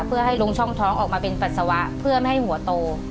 เพื่อให้ลงช่องท้องออกมาเป็นปัสสาวะเพื่อไม่ให้หัวโต